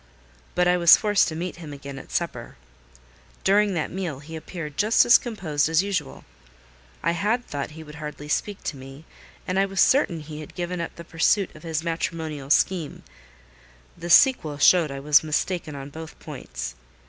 But I was forced to meet him again at supper. During that meal he appeared just as composed as usual. I had thought he would hardly speak to me, and I was certain he had given up the pursuit of his matrimonial scheme: the sequel showed I was mistaken on both points.